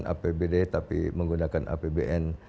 bukan anggaran apbd tapi menggunakan apbn